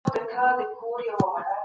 ایا تکړه پلورونکي تور ممیز پروسس کوي؟